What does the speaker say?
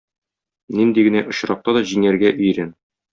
Нинди генә очракта да җиңәргә өйрән.